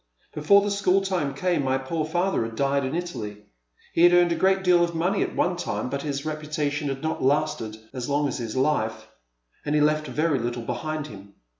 Before the school time came my poor father had died in Italy. He had earned a great deal of money at one time, but his reputation had not lasted as long as his life, and he left very little behind him.